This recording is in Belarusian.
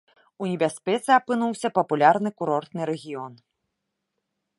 У небяспецы апынуўся папулярны курортны рэгіён.